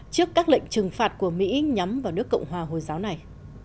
trước các lệnh trừng phạt của mỹ nhắm vào nước cộng hòa hồi giáo này